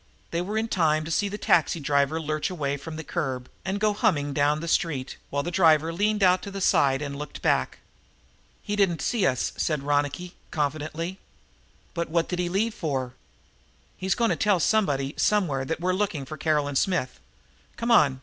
They were in time to see the taxicab lurch away from the curb and go humming down the street, while the driver leaned out to the side and looked back. "He didn't see us," said Ronicky confidently. "But what did he leave for?" "He's gone to tell somebody, somewhere, that we're looking for Caroline Smith. Come on!"